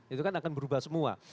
itu kan akan berubah semua